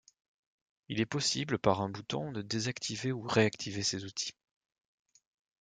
Il est possible par un bouton de désactiver ou de réactiver ces outils.